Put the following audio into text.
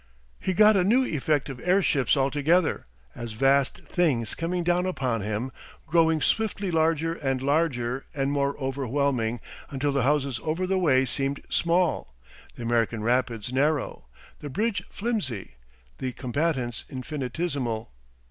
He got a new effect of airships altogether, as vast things coming down upon him, growing swiftly larger and larger and more overwhelming, until the houses over the way seemed small, the American rapids narrow, the bridge flimsy, the combatants infinitesimal.